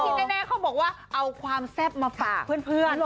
แน่เขาบอกว่าเอาความแซ่บมาฝากเพื่อน